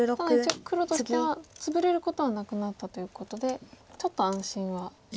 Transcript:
ただ一応黒としてはツブれることはなくなったということでちょっと安心は。